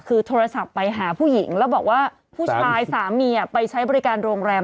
คือโทรศัพท์ไปหาผู้หญิงแล้วบอกว่าผู้ชายสามีไปใช้บริการโรงแรม